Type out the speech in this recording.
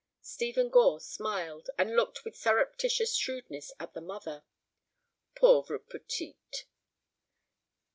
Stephen Gore smiled, and looked with surreptitious shrewdness at the mother. "Pauvre petite!"